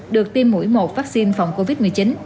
được tiêm mũi một vaccine phòng covid một mươi chín